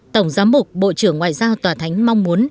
tổng giám mục bộ trưởng ngoại giao tòa thánh mong muốn